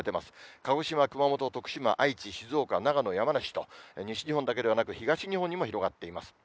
鹿児島、熊本、徳島、愛知、静岡、長野、山梨と、西日本だけでなく東日本にも広がっています。